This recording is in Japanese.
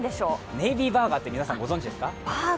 ネイビーバーガーってご存じですか？